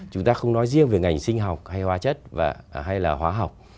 chúng ta không nói riêng về ngành sinh học hay hóa chất hay là hóa học